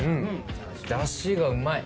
だしがうまい！